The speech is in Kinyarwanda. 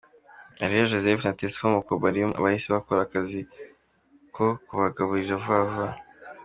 h': Areruya Joseph na Tesfom Okbarium bahise bakora akazi ko kubagarura vuba vuba.